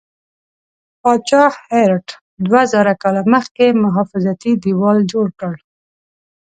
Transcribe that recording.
پاچا هرډ دوه زره کاله مخکې محافظتي دیوال جوړ کړ.